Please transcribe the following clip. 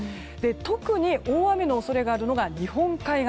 特に、大雨の恐れがあるのが日本海側。